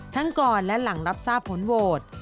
ก่อนและหลังรับทราบผลโหวต